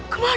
ke mana dia